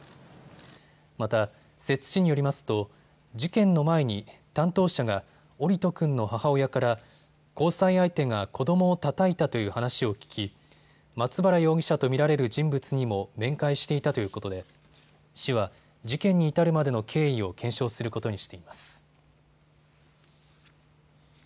また、摂津市によりますと事件の前に担当者が桜利斗君の母親から交際相手が子どもをたたいたという話を聞き、松原容疑者と見られる人物にも面会していたということで市は事件に至るまでの経緯を検証することにしています。